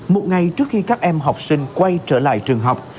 một ngày trước khi các em học sinh quay trở lại trường học